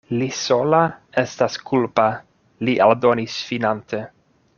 Li sola estas kulpa, li aldonis finante.